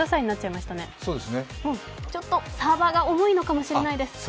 ちょっとサーバーが重いのかもしれないです。